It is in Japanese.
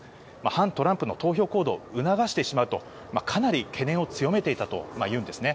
反トランプの投票行動を促してしまうとかなり懸念を強めていたというんです。